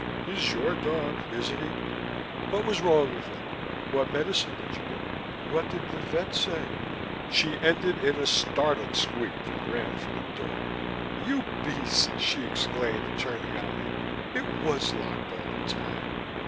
He's your dog, isn't he? What was wrong with him? What medicine did you give him? What did the vet say " She ended in a startled squeak and ran for the door. "You beast!" she exclaimed, turning on me, "it was locked, all the time.